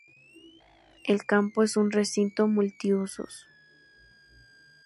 El campo es un recinto multiusos.